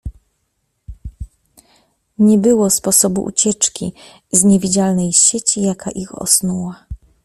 "Nie było sposobu ucieczki z niewidzialnej sieci, jaka ich osnuła."